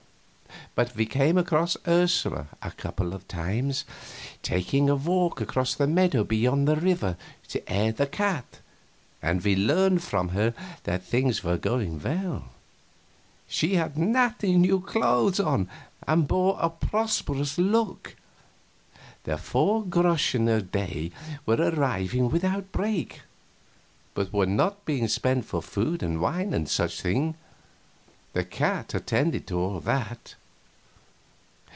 But we came across Ursula a couple of times taking a walk in the meadows beyond the river to air the cat, and we learned from her that things were going well. She had natty new clothes on and bore a prosperous look. The four groschen a day were arriving without a break, but were not being spent for food and wine and such things the cat attended to all that.